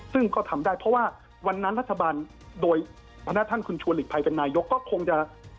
ซึ่งก็ทำได้เพราะว่าวันนั้นรัฐบาลโดยพนักท่านคุณชวนหลีกภัยเป็นนายกก็คงจะ